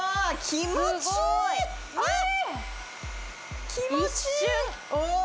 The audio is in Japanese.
気持ちいい。